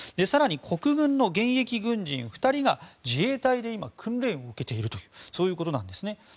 更に国軍の現役軍人２人が自衛隊で今訓練を受けているというそういうことなんですね。